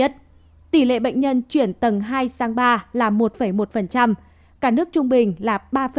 tỷ lệ bệnh nhân chuyển tầng hai sang ba là một một cả nước trung bình là ba bốn